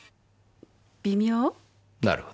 なるほど。